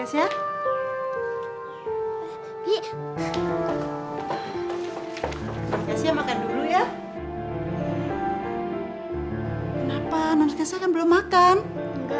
hari ini kita nggak bisa main dulu